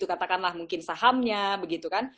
katakanlah mungkin sahamnya begitu kan